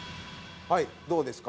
はいどうですか？